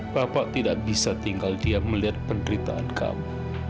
bapak tidak bisa tinggal dia melihat penderitaan kamu